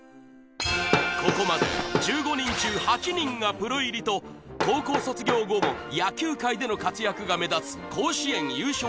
ここまで１５人中８人がプロ入りと高校卒業後も野球界での活躍が目立つ甲子園優勝